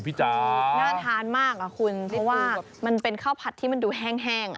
พี่จ๋าคือน่าทานมากอ่ะคุณเพราะว่ามันเป็นข้าวผัดที่มันดูแห้งแห้งอ่ะ